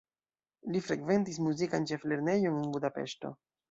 Li frekventis muzikan ĉeflernejon en Budapeŝto.